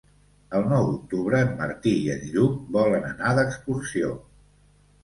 El nou d'octubre en Martí i en Lluc volen anar d'excursió.